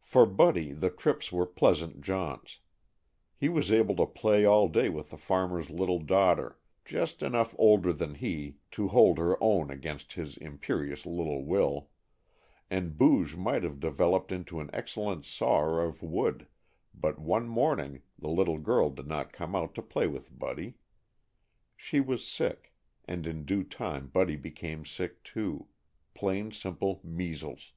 For Buddy the trips were pleasure jaunts. He was able to play all day with the farmer's little daughter, just enough older than he to hold her own against his imperious little will, and Booge might have developed into an excellent sawer of wood, but one morning, the little girl did not come out to play with Buddy. She was sick, and in due time Buddy became sick too plain, simple measles.